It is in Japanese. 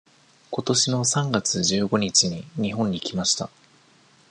今年の三月十五日に日本に来ました。